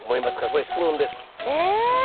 これ質問です。え！